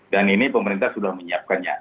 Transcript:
dan ini pemerintah sudah menyiapkannya